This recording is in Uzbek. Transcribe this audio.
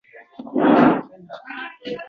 sevgisiga boqar ohista